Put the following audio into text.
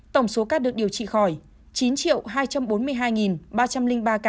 tổng số ca được điều trị khỏi chín hai trăm bốn mươi hai ba trăm linh ba ca